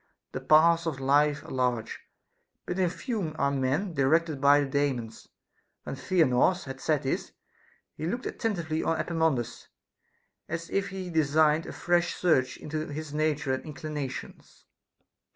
The paths of life are large, but in few are men directed by the Daemons. When Theanor had said this, he looked attentively on Epaminondas, as if he designed a fresh search into his nature and inclinations.